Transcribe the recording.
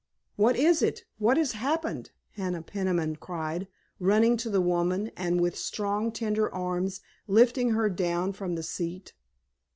"What is it? What has happened?" Hannah Peniman cried, running to the woman and with strong, tender arms lifting her down from the seat.